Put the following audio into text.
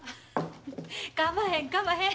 かまへんかまへん。